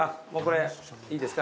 いいですか？